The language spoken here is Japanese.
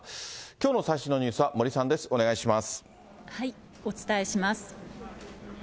きょうの最新のニュースは森さんお伝えします。